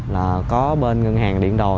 là có bên ngân hàng điện đồ